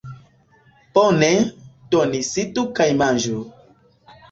Bone, do ni sidu kaj manĝu